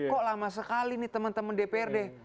kok lama sekali nih teman teman dprd